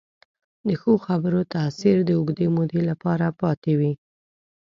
د ښو خبرو تاثیر د اوږدې مودې لپاره پاتې وي.